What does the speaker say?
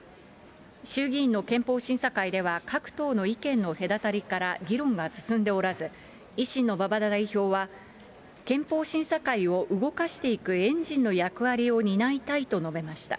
衆議院の憲法審査会では各党の意見の隔たりから、議論が進んでおらず、維新の馬場代表は、憲法審査会を動かしていくエンジンの役割を担いたいと述べました。